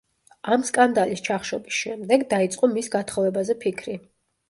ამ სკანდალის ჩახშობის შემდეგ, დაიწყო მის გათხოვებაზე ფიქრი.